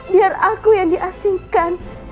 biar aku yang diasingkan